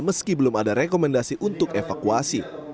meski belum ada rekomendasi untuk evakuasi